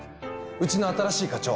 うちの新しい課長。